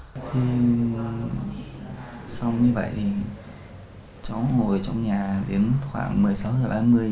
có khi xong như vậy thì cháu ngồi trong nhà đến khoảng một mươi sáu h ba mươi